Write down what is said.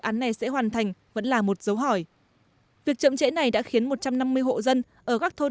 án này sẽ hoàn thành vẫn là một dấu hỏi việc chậm trễ này đã khiến một trăm năm mươi hộ dân ở các thôn